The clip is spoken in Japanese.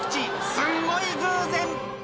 すんごい偶然！